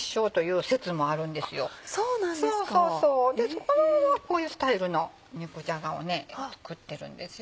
そこはこういうスタイルの肉じゃがを作ってるんですよ。